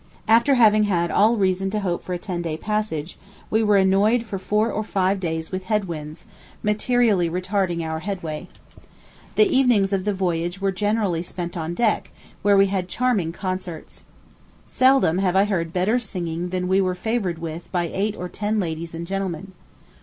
After having had all reason to hope for a ten day passage, we were annoyed for four or five days with head winds, materially retarding our headway. The evenings of the voyage were generally spent on deck, where we had charming concerts. Seldom have I heard better singing than we were favored with by eight or ten ladies and gentlemen.